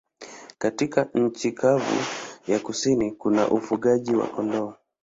Katika nchi kavu ya kusini kuna ufugaji wa kondoo.